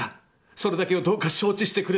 それだけをどうか承知してくれたまえ」。